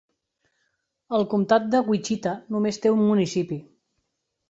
El comtat de Wichita només té un municipi.